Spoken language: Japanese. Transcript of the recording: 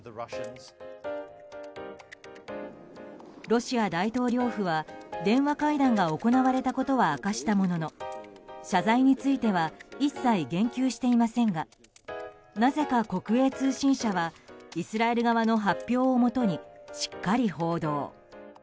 ロシア大統領府は、電話会談が行われことは明かしたものの謝罪については一切言及していませんがなぜか国営通信社はイスラエル側の発表をもとにしっかり報道。